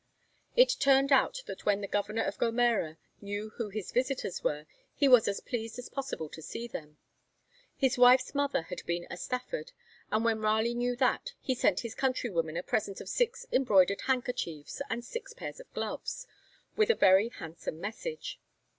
It turned out that when the Governor of Gomera knew who his visitors were, he was as pleased as possible to see them. His wife's mother had been a Stafford, and when Raleigh knew that, he sent his countrywoman a present of six embroidered handkerchiefs and six pairs of gloves, with a very handsome message.